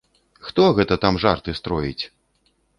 Хто гэта там жарты строіць!